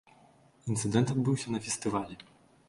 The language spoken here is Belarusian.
Інцыдэнт адбыўся на фестывалі.